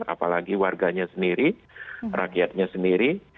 apalagi warganya sendiri rakyatnya sendiri